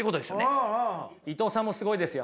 伊藤さんもすごいですよ。